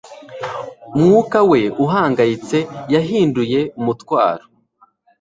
Umwuka we uhangayitse yahinduye umutwaro